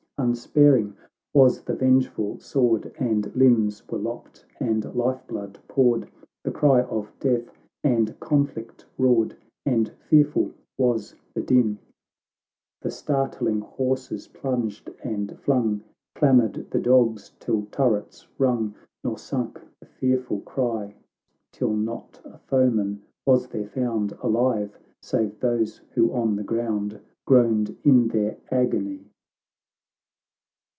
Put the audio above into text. Unsparing was the vengeful sword, And limbs were lopped and life blood poured, The cry of death and conflict roared, And fearful was the din ! GiO THE LORD OF TIIE ISLES. [ CANTO V. The startling horses plunged and flung, Clamoured the dogs till turrets rung, Nor sunk the fearful cry, Till not a foeman was there found Alive, save those who on the ground Groaned iu their agony